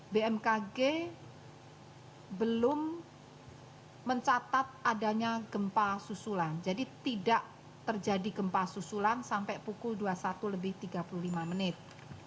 bmkg belum mencatat adanya gempa susulan jadi tidak terjadi gempa susulan sampai pukul dua puluh satu lebih tiga puluh lima menit